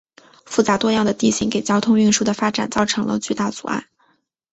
复杂多样的地形给交通运输的发展造成了巨大阻碍。